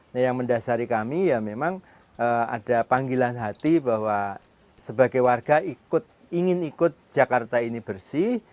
nah yang mendasari kami ya memang ada panggilan hati bahwa sebagai warga ingin ikut jakarta ini bersih